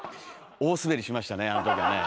大スベリしましたねあの時ね。